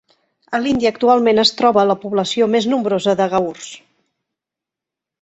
A l'Índia actualment es troba la població més nombrosa de gaurs.